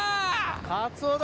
カツオだ！